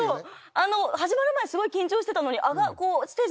始まる前すごい緊張してたのに。